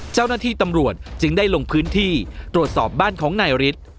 เจ้าหน้าที่ตำรวจจึงได้ลงพื้นที่ตรวจสอบบ้านของนายฤทธิ์